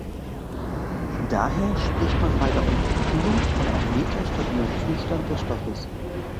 Daher spricht man bei der Unterkühlung von einem metastabilen Zustand des Stoffes.